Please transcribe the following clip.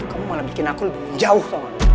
kamu malah bikin aku lebih jauh